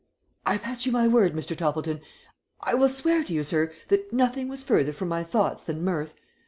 "I pass you my word, Mr. Toppleton, I will swear to you, sir, that nothing was further from my thoughts than mirth.